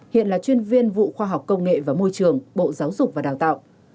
hiện là chuyên viên vụ khoa học công nghệ và môi trường bộ giáo dục và đào tạo